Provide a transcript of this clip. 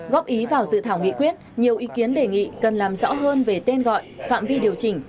góp ý vào dự thảo nghị quyết nhiều ý kiến đề nghị cần làm rõ hơn về tên gọi phạm vi điều chỉnh